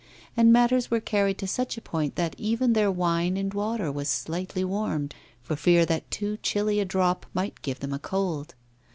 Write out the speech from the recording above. And matters were carried to such a point that even their wine and water was slightly warmed, for fear that too chilly a drop might give them a cold.